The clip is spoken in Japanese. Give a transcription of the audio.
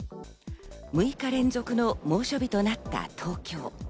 ６日連続の猛暑日となった東京。